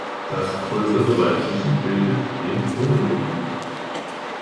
Das größere weibliche bildet den Holotyp.